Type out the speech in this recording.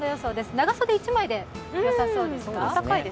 長袖１枚でよさそうですか。